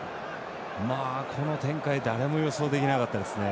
この展開誰も予想できなかったですね。